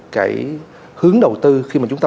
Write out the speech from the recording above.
cái hướng đầu tư khi mà chúng ta